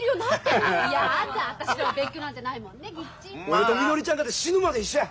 俺とみのりちゃんかて死ぬまで一緒や！